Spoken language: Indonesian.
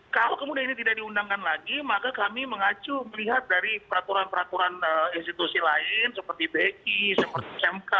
kalau kemudian ini tidak diundangkan lagi maka kami mengacu melihat dari peraturan peraturan institusi lain seperti bi seperti smk